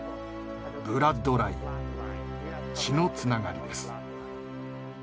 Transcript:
「ブラッドライン」血のつながりです。